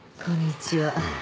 こんにちは。